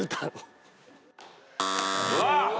うわっ。